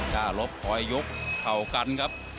หลบพอยุกเข้ากันครับ